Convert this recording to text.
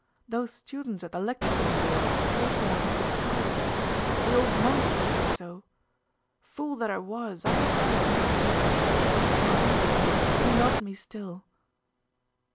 Those students at the lecture room door told me I was despised. The old monk told me so Fool that I was! I forgot it next day! For he he loved me still!